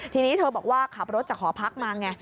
ทีนี้เธอบอกว่าขับรถจากหอพักมาไง